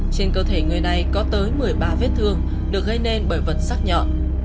trên cơ thể người này có tới một mươi ba vết thương được gây nên bởi vật sắc nhọn